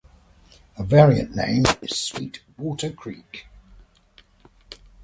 A variant name is "Sweet Water Creek".